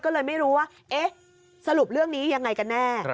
ก็เลยไม่รู้ว่าเอ๊ะสรุปเรื่องนี้ยังไงกันแน่